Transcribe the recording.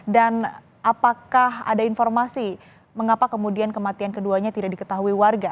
dan apakah ada informasi mengapa kemudian kematian keduanya tidak diketahui warga